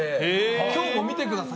今日も見てください